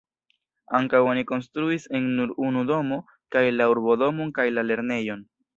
Ankaŭ oni konstruis en nur unu domo kaj la urbodomon kaj la lernejon.